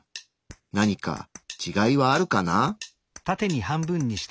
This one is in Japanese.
何かちがいはあるかな？